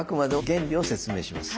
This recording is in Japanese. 原理を説明します。